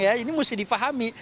ya ini mesti dipahami